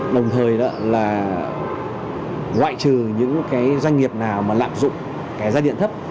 đồng thời đó là ngoại trừ những cái doanh nghiệp nào mà lạm dụng cái giai điện thấp